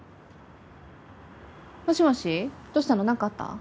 もしもしどうしたの何かあった？